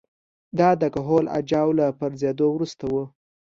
دا د کهول اجاو له پرځېدو وروسته وه